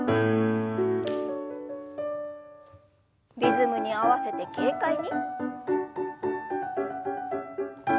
リズムに合わせて軽快に。